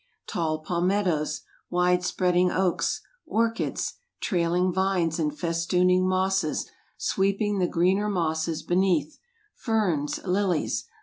Tall palmettos, wide spreading oaks, orchids, trailing vines and festooning mosses sweeping the greener mosses beneath, ferns, lilies!